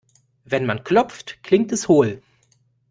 Wenn man klopft, klingt es hohl.